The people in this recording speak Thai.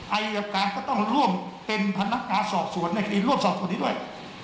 อายการก็ต้องร่วมเป็นพนักงานสอบสวนในคดีร่วมสอบส่วนนี้ด้วย